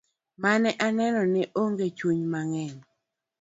Mane aneno ne ogo chunya mang'eny.